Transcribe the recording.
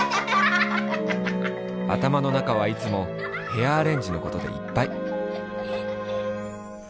あたまの中はいつもヘアアレンジのことでいっぱい。